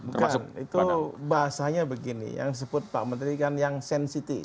bukan itu bahasanya begini yang disebut pak menteri kan yang sensitif